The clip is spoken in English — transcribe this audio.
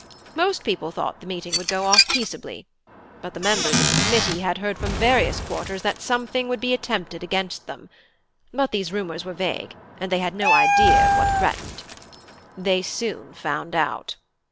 "Most people thought the meeting would go off peaceably; but the members of the Committee had heard from various quarters that something would be attempted against them; but these rumours were vague, and they had no idea of what threatened. They soon found out.